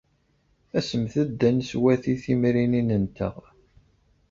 Asemt-d ad neswati timrinin-nteɣ!